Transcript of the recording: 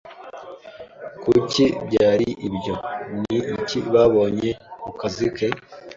Kuki byari ibyo? Ni iki babonye mu kazi ke?